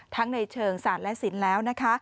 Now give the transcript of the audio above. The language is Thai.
ในเชิงศาสตร์และศิลป์แล้วนะคะ